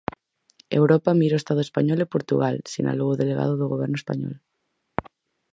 "Europa mira o Estado español e Portugal", sinalou o delegado do Goberno español.